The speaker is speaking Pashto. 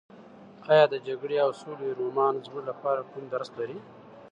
ایا د جګړې او سولې رومان زموږ لپاره کوم درس لري؟